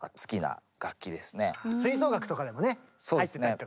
吹奏楽とかでもね入ってたりとかね。